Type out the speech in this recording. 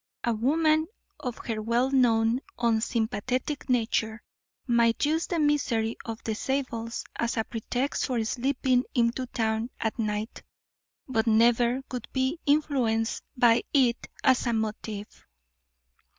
A woman of her well known unsympathetic nature might use the misery of the Zabels as a pretext for slipping into town at night, but never would be influenced by it as a motive.